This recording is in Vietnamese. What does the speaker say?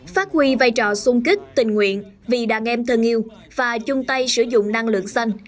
phát huy vai trò sung kích tình nguyện vì đàn em thân yêu và chung tay sử dụng năng lượng xanh